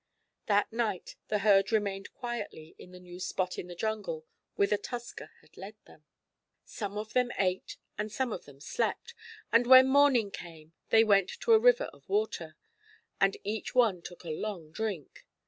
That night the herd remained quietly in the new spot in the jungle whither Tusker had led them. Some of them ate and some of them slept, and when morning came they went to a river of water; and each one took a long drink.